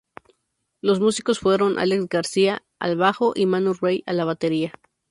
Los músicos fueron Alex García al bajo y Manu Rey a la batería.